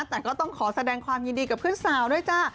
แต่ก็ต้องขอแสดงความยินดีกับเพื่อนสาวด้วยจ้า